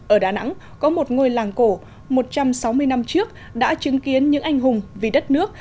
ở đà nẵng có một ngôi làng cổ một trăm sáu mươi năm trước đã chứng kiến những anh hùng vì đất nước